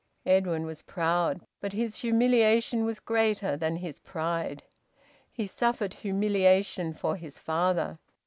Edwin was proud, but his humiliation was greater than his pride. He suffered humiliation for his father.